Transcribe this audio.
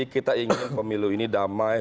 kita ingin pemilu ini damai